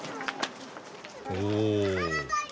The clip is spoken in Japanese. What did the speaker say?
おお。